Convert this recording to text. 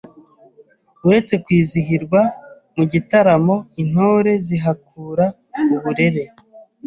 Uretse kwizihirwa mu gitaramo, Intore zihakura uburere